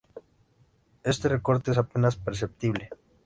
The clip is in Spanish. Este recorte es apenas perceptible.